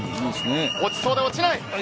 落ちそうで落ちない！